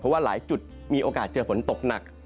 เพราะว่าหลายจุดมีโอกาสเจอฝนตกหนัก